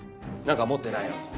何か持ってないの？